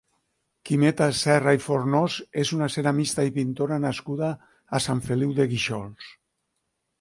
Quimeta Serra i Fornós és una ceramista i pintora nascuda a Sant Feliu de Guíxols.